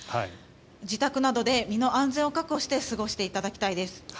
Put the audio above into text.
自宅などで身の安全を確保して過ごしていただきたいです。